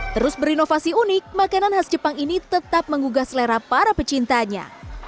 terus berinovasi unik makanan khas jepang ini tetap menggugah selera para pecintanya